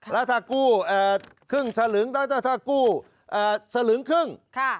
แล้วถ้ากู้ครึ่งสลึงแล้วถ้ากู้สลึงครึ่ง